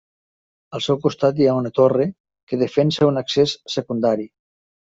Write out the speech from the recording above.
Al seu costat hi ha una torre que defensa un accés secundari.